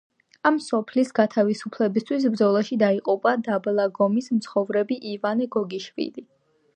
ამ სოფლის გათავისუფლებისთვის ბრძოლაში დაიღუპა დაბლაგომის მცხოვრები ივანე გოგიშვილი.